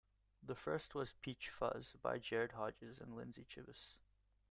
The first was "Peach Fuzz" by Jared Hodges and Lindsay Cibos.